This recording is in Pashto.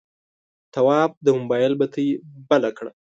تواب د موبایل بتۍ بل کړه.